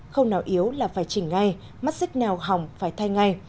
khâu nào yếu là phải chỉnh ngay mắt xích nào hỏng phải thay ngay